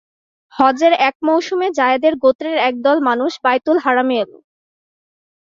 হজ্জের এক মৌসুমে যায়েদের গোত্রের একদল মানুষ বাইতুল হারামে এল।